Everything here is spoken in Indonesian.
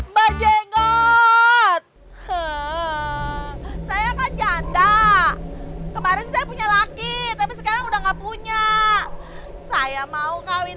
bajengot saya kajanda kemarin saya punya laki tapi sekarang udah nggak punya saya mau kawin